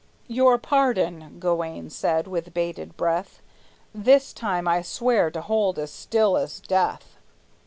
"Your pardon," Gawayne said, with bated breath; "This time I swear to hold as still as death."